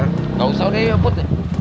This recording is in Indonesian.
engga usah udah iya put